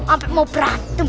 sampai mau berantem